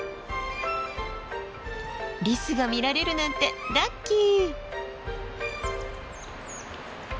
リスが見られるなんてラッキー！